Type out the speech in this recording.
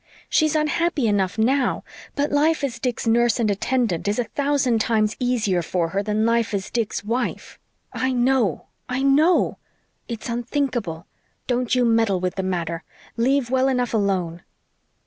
She's unhappy enough now; but life as Dick's nurse and attendant is a thousand times easier for her than life as Dick's wife. I know I KNOW! It's unthinkable. Don't you meddle with the matter. Leave well enough alone."